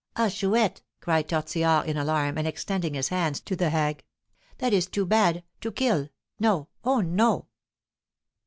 "Ah, Chouette," cried Tortillard, in alarm, and extending his hands to the hag, "that is too bad to kill. No! oh, no!"